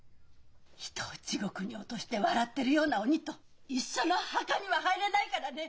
人を地獄に落として笑ってるような鬼と一緒の墓には入らないからね！